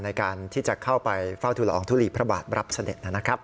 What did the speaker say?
ในการที่จะเข้าไปเฝ้าทุลอองทุลีพระบาทรับเสด็จนะครับ